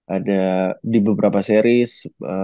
ada di beberapa series